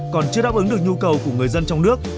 còn chưa đáp ứng được nhu cầu của người dân trong nước